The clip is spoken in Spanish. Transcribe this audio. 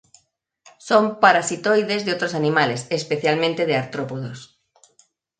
Son parasitoides de otros animales, especialmente de artrópodos.